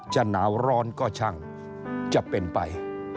จะหนาวร้อนก็ช่างจะเป็นไป